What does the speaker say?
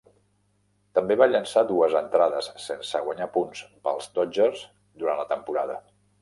També va llençar dues entrades sense guanyar punts pels Dodgers durant la temporada.